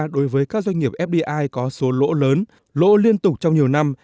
đối với các doanh nghiệp fdi có số lỗ lớn lỗ liên tục trong nhiều năm